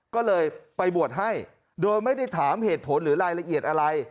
ก็เลยไปบวชให้โดยไม่ได้ถามเหตุผลหรือรายละเอียดอะไร